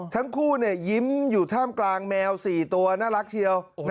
ทั้งคู่ยิ้มอยู่ท่ามกลางแมว๔ตัวน่ารักเชียว